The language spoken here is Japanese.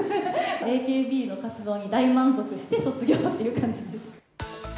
ＡＫＢの活動に大満足して卒業っていう感じです。